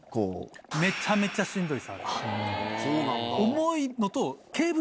重いのと。